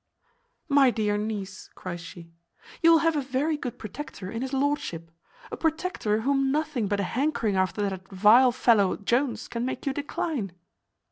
"My dear niece," cries she, "you will have a very good protector in his lordship; a protector whom nothing but a hankering after that vile fellow Jones can make you decline."